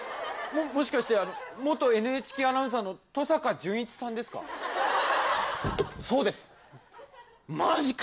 もしかして元ＮＨＫアナウンサーの登坂淳一さんですか？